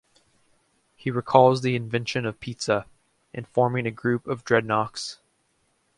He recalls the invention of pizza, informing a group of Dreadnoks.